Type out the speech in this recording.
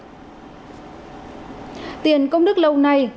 tiền công đức lâu nay không được kết nối với các tiền công đức